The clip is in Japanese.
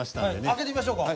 開けてみましょうか。